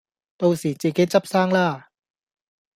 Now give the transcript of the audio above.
到時自己執生啦